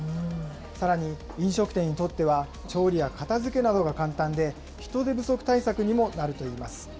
さらに、飲食店にとっては、調理や片づけなどが簡単で、人手不足対策にもなるといいます。